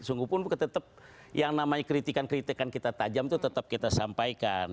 sungguh pun tetap yang namanya kritikan kritikan kita tajam itu tetap kita sampaikan